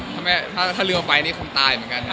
เมื่อถ้าลืมเอาไปนี่ของมันตายเหมือนกันฮะ